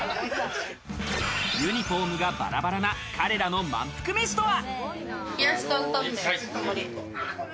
ユニホームがバラバラな彼らの満腹飯とは？